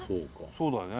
そうだよね。